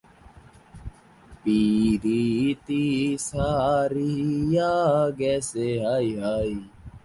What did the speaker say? এছাড়া চিত্রকর্মে অসামান্য অবদানের জন্য ফ্রান্সের সর্বোচ্চ বেসামরিক সম্মাননা নাইট উপাধি পেয়েছেন।